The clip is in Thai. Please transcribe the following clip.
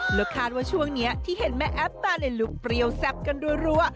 แล้วคาดว่าช่วงนี้ที่เห็นแม่แอฟตาเลนลูกเปรี้ยวแซ่บกันรัว